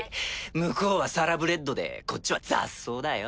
向こうはサラブレッドでこっちは雑草だよ。